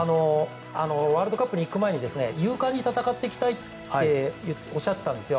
ワールドカップに行く前に勇敢に戦ってきたいっておっしゃっていたんですよ。